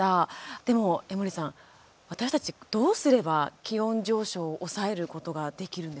でも江守さん、私たちどうすれば気温上昇を抑えることができるんですか。